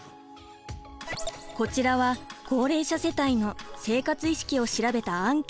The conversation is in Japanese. こちらは高齢者世帯の生活意識を調べたアンケート。